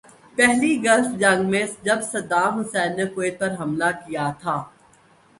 پہلی گلف جنگ میں جب صدام حسین نے کویت پہ حملہ کیا تھا۔